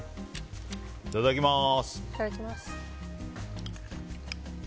いただきます。